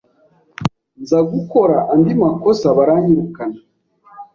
nza gukora andi makosa baranyirukana